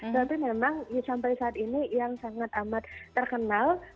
tapi memang sampai saat ini yang sangat amat terkenal